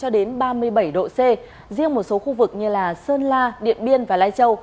thời gian có nhiệt độ như sơn la điện biên và lai châu